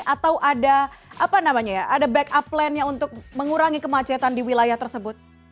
atau ada backup plan nya untuk mengurangi kemacetan di wilayah tersebut